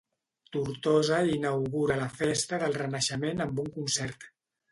Tortosa inaugura la Festa del Renaixement amb un concert